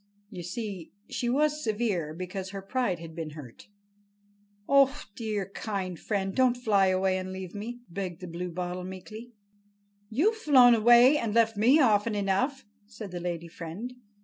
You see, she was severe because her pride had been hurt. "Oh, dear, kind friend, don't fly away and leave me!" begged the Bluebottle meekly. "You've flown away and left me often enough," said the lady friend.